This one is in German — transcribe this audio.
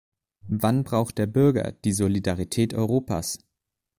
Wann braucht der Bürger die Solidarität Europas?